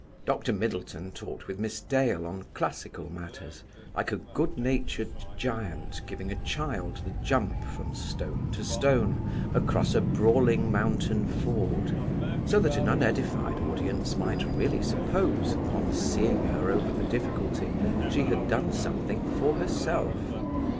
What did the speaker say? Dr. Middleton talked with Miss Dale on classical matters, like a good natured giant giving a child the jump from stone to stone across a brawling mountain ford, so that an unedified audience might really suppose, upon seeing her over the difficulty, she had done something for herself.